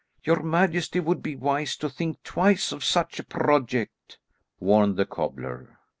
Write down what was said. "Your majesty would be wise to think twice of such a project," warned the cobbler.